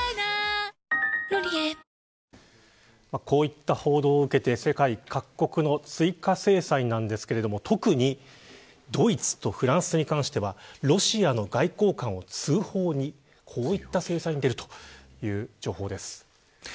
こういった報道を受けて世界各国の追加制裁なんですが特にドイツとフランスに関してはロシアの外交官を追放にこういった制裁に出るという情報です。